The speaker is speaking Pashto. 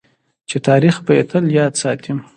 چې تاریخ به یې تل یاد ساتي.